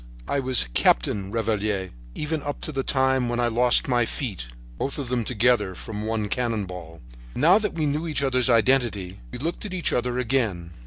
I was Captain Revaliere even up to the time when I lost my feet —both of them together from one cannon ball." Now that we knew each other's identity we looked at each other again.